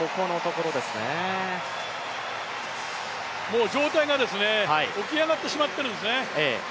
もう上体が起き上がってしまっているんですね。